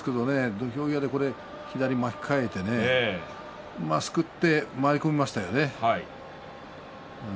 土俵際で左を巻き替えてすくって回り込みましたよね。